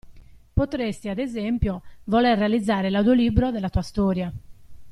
Potresti, ad esempio, voler realizzare l'Audiolibro della tua storia.